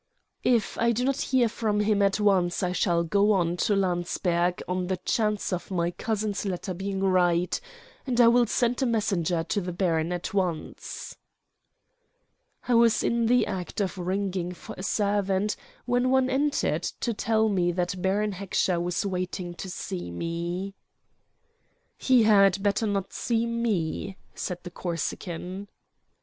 "If I do not hear from him at once, I shall go on to Landsberg on the chance of my cousin's letter being right, and I will send a messenger to the baron at once." I was in the act of ringing for a servant when one entered to tell me that Baron Heckscher was waiting to see me. "He had better not see me," said the Corsican.